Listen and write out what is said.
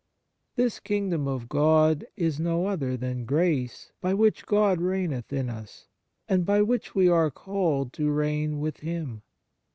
This kingdom of God is no other than grace by which God reigneth in us, and by which we are called to reign with Him.